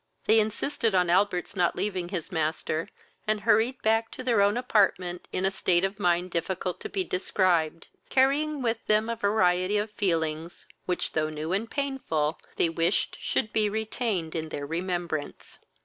They insisted on Albert's not leaving his master, and hurried back to their own apartment in a state of mind difficult to be described, carrying with them a variety of feelings, which, though new and painful, they wished should be retained in their remembrance.